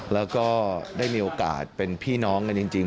แล้วก็ได้มีโอกาสเป็นพี่น้องกันจริง